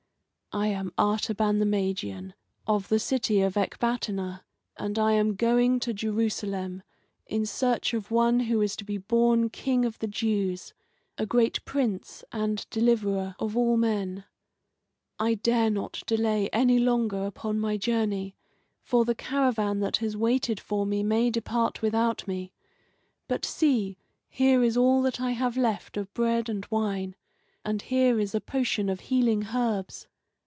"I am Artaban the Magian, of the city of Ecbatana, and I am going to Jerusalem in search of one who is to be born King of the Jews, a great Prince and Deliverer of all men. I dare not delay any longer upon my journey, for the caravan that has waited for me may depart without me. But see, here is all that I have left of bread and wine, and here is a potion of healing herbs.